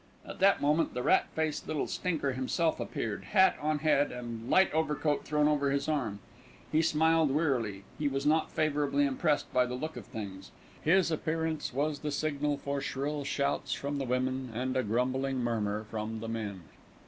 At that moment "the rat faced little stinker" himself appeared, hat on head and light overcoat thrown over his arm. He smiled wearily, he was not favourably impressed by the look of things. His appearance was the signal for shrill shouts from the women, and a grumbling murmur from the men.